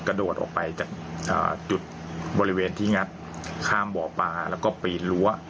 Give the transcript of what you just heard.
กระโดดออกไปจากจุดบริเวณที่งัดข้ามบ่อปลาแล้วก็ปีนรั้ว